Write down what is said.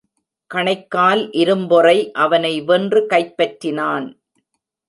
கணைக்கால் இரும்பொறை அவனை வென்று கைப்பற்றினான்.